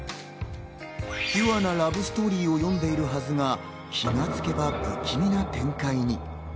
ピュアなラブストーリーを読んでいるはずが気が付けば不気味な展開に。